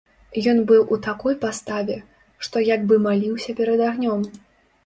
Ён быў у такой паставе, што як бы маліўся перад агнём.